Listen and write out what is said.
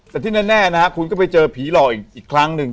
แต่ที่แน่นะฮะคุณก็ไปเจอผีหลอกอีกครั้งหนึ่ง